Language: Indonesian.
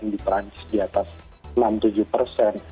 di perancis di atas enam tujuh